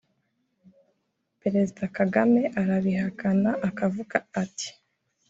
Perezida Kagame arabihakana akavuga ati